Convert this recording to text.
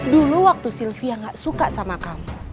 dulu waktu sylvia gak suka sama kamu